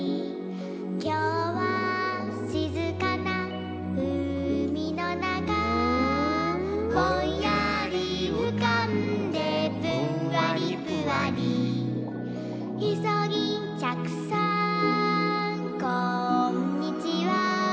「きょうはしずかなうみのなか」「ぼんやりうかんでぷんわりぷわり」「いそぎんちゃくさんこんにちは！」